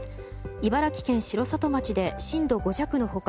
茨城県城里町で震度５弱の他